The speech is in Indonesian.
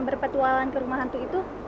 berpetualang ke rumah hantu itu